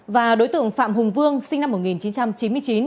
và đối tượng phạm hùng vương sinh năm một nghìn chín trăm bảy mươi bốn